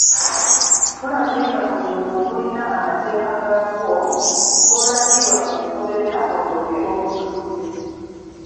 Tulabye nga buli mulimu gulina amateeka gaagwo, g'olagirwa okugoberera olyoke ogutuuse.